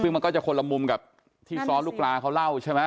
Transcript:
ซึ่งมันก็จะคนละมุมกับที่ซ้อนลูกปลาเขาเล่าใช่ไหม